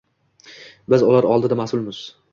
Biz ular oldida masʼulmiz